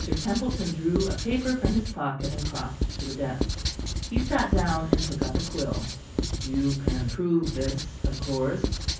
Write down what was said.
Templeton drew a paper from his pocket, and crossed to the desk. He sat down, and took up a quill. "You can prove this, of course?"